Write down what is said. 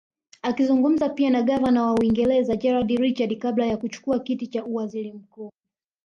Akizungumza na Gavana wa Uingereza General Richard kabla ya kuchukua kiti cha uwaziri mkuu